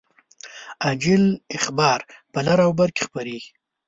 عاجل اخبار په لر او بر کې خپریږي